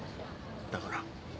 だから。